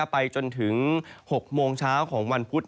ไปจนถึง๖โมงเช้าของวันพุธ